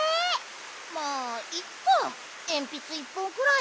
まあいっかえんぴつ１ぽんくらい。